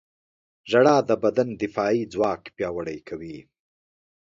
• ژړا د بدن دفاعي ځواک پیاوړی کوي.